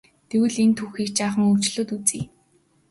Тэгвэл энэ түүхийг жаахан өөрчлөөд үзье.